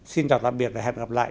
xin chào tạm biệt và hẹn gặp lại